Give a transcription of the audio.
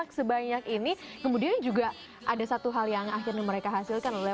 keren jadi gaada babysitter sama sekali